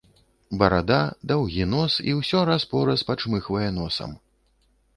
Барада, даўгі нос, і ўсё раз-пораз пачмыхвае носам.